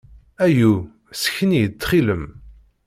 Ayu! Sken-iyi-d, ttxil-m!